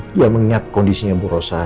dia mengingat kondisinya bu rosan